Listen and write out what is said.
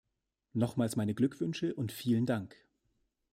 Nochmals meine Glückwünsche und vielen Dank.